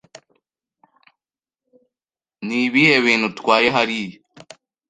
Nibihe bintu utwaye hariya?